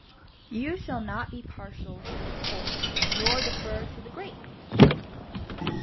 You shall not be partial to the poor; nor defer to the great!